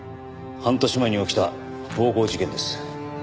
半年前に起きた暴行事件です。